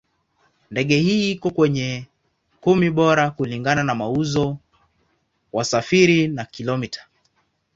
Ndege hii iko kwenye ndege kumi bora kulingana na mauzo, wasafiri na kilomita.